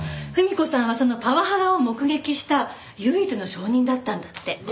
文子さんはそのパワハラを目撃した唯一の証人だったんだって。